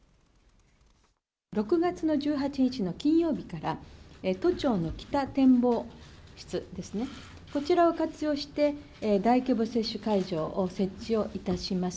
６月の１８日の金曜日から、都庁の北展望室ですね、こちらを活用して、大規模接種会場を設置をいたします。